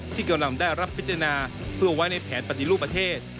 ที่กำลังได้รับพิจารณาเพื่อไว้ในแผนปฏิรูปประเทศ